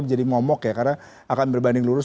menjadi momok ya karena akan berbanding lurus